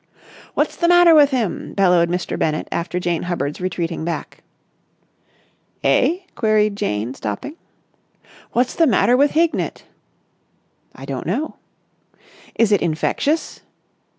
"What's the matter with him?" bellowed Mr. Bennett after Jane Hubbard's retreating back. "Eh?" queried Jane, stopping. "What's the matter with Hignett?" "I don't know." "Is it infectious?"